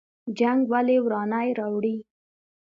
جنګ ولې ورانی راوړي؟